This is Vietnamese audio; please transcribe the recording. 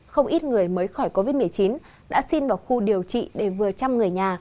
không ít người mới khỏi covid một mươi chín đã xin vào khu điều trị để vừa chăm người nhà